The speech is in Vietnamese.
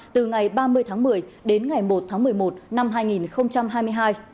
từ ngày ba mươi tháng một mươi đến ngày một tháng một mươi một năm hai nghìn hai mươi hai